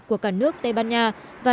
của cả nước tây ban nha